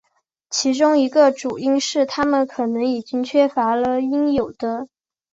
其中一个主因是它们可能已缺乏了应有的。